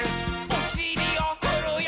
おしりをふるよ。